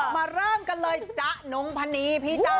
มาเริ่มกันเลยจ๊ะนงพนีพี่จ๊ะ